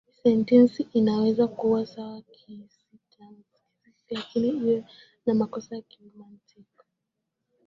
Sentensi inaweza kuwa sawa kisintaksia lakini iwe na makosa ya kimantiki.